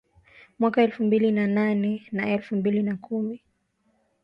Mwaka elfu mbili na nane na elfu mbili na kumi